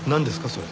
それ。